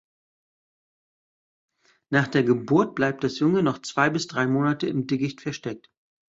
Nach der Geburt bleibt das Junge noch zwei bis drei Monate im Dickicht versteckt.